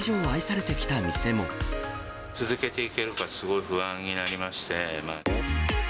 続けていけるか、すごい不安になりまして。